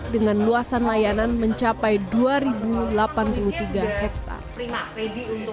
dengan luasan layanan mencapai dua delapan puluh tiga hektare